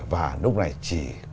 và lúc này chỉ